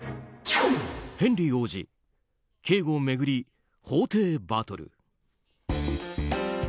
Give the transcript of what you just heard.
ヘンリー王子、警護巡り法廷バトル。